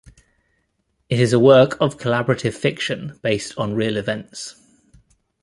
It is a work of collaborative fiction based on real events.